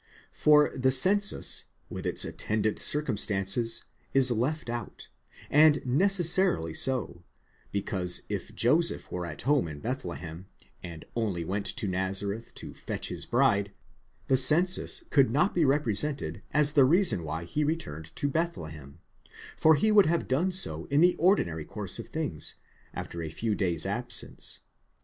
For the census with its attendant circumstances is left out, and necessarily so, because if Joseph were at home in Bethlehem, and only went to Nazareth to fetch his bride, the census could not be represented as the reason why he returned to Bethlehem, for he would have done so in the ordinary course of things, after a few days' absence.